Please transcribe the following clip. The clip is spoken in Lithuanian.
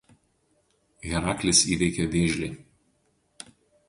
Heraklis įveikė vėžlį.